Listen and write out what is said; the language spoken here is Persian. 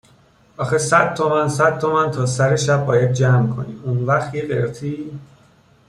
آخه صد تومن، صد تومن تا سر شب باید جمع کنی، اونوقت یه قرتی